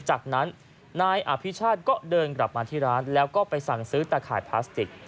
จากนั้นนายอภิชาติก็เดินกลับมาที่ร้านแล้วก็ไปสั่งซื้อตะข่ายพลาสติก